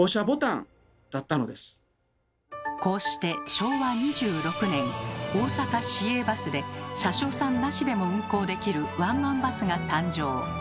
こうして昭和２６年大阪市営バスで車掌さんなしでも運行できるワンマンバスが誕生。